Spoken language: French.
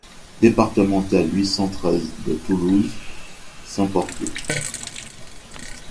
Départementale huit cent treize de Toulouse, Saint-Porquier